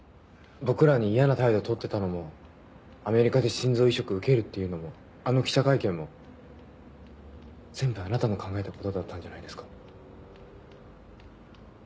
僕らに嫌な態度取ってたのもアメリカで心臓移植を受けるっていうのもあの記者会見も全部あなたの考えたことだったんじゃないですか？